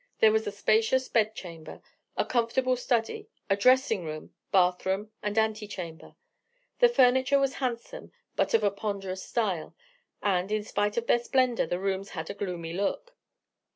There was a spacious bed chamber, a comfortable study, a dressing room, bath room, and antechamber. The furniture was handsome, but of a ponderous style: and, in spite of their splendour, the rooms had a gloomy look.